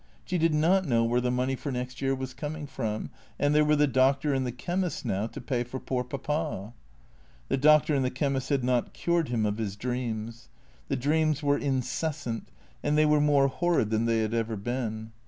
She did not know where the money for next year was coming from ; and there were the doctor and the chemist now to pay for poor Papa. The doctor and the chemist had not cured him of his dreams. The dreams were incessant, and they were more horrid than they had ever been.